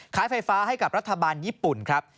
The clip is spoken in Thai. ค้ายไฟฟ้าให้กับรัฐบาลญี่ปุ่น